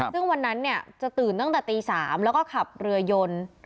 ซึ่งวันนั้นเนี่ยจะตื่นตั้งแต่ตี๓แล้วก็ขับรถยนต์